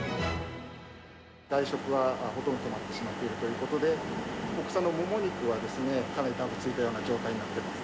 外食はほとんど止まってしまっているということで、国産のもも肉はかなりだぶついたような状態になっています。